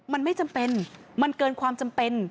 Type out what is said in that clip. มันไม่จำเป็นมันเกินความจำเป็น